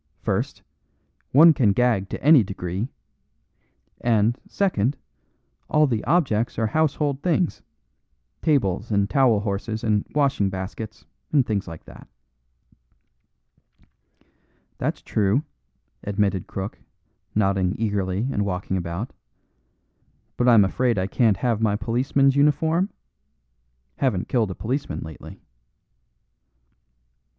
First, one can gag to any degree; and, second, all the objects are household things tables and towel horses and washing baskets, and things like that." "That's true," admitted Crook, nodding eagerly and walking about. "But I'm afraid I can't have my policeman's uniform? Haven't killed a policeman lately."